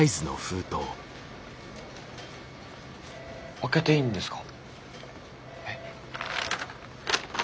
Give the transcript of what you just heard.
開けていいんですか？